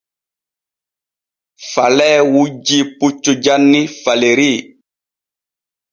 Falee wujjii puccu janni Faleri.